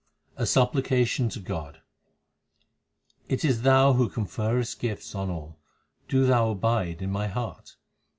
A supplication to God : It is Thou who conferrest gifts on all ; do Thou abide in my heart.